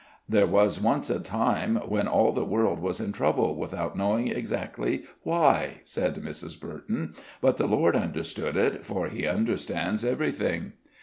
"There was once a time when all the world was in trouble, without knowing exactly why," said Mrs. Burton; "but the Lord understood it, for He understands everything."